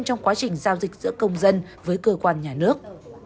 trong quá trình giao dịch giữa công dân với cơ quan nhà nước